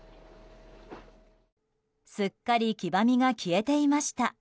すっかり黄ばみが消えていました。